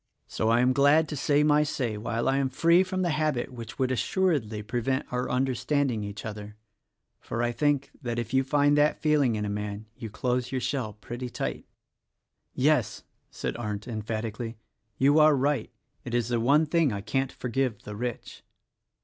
So I am glad to 5 o THE RECORDING ANGEL say my say while I am free from the habit which would assuredly prevent our understanding each other; for 1 think that if you find that feeling in a man you close your shell pretty tight." "Yes!" said Arndt, emphatically, "you are right. It is the one thing I can't forgive the rich."